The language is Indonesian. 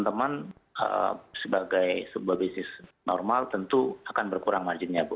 dalam jangka pendek saya pikir semua teman teman sebagai sebuah bisnis normal tentu akan berkurang marginnya bu